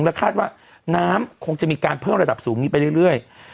และคาดว่าน้ำคงจะมีการเพิ่มระดับสูงนี้ไปเรื่อย